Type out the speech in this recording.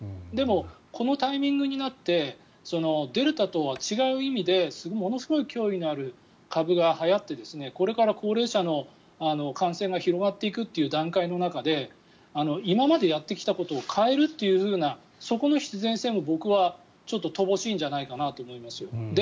でも、このタイミングになってデルタとは違う意味でものすごい脅威のある株がはやってこれから高齢者の感染が広がっていくっていう段階の中で今までやってきたことを変えるというようなそこの必然性も僕はちょっと乏しいんじゃないかなと思いますよ。